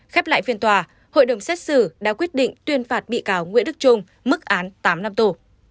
khép lại phiên tòa hội đồng xét xử đã quyết định tuyên phạt bị cáo nguyễn đức trung mức án tám năm tù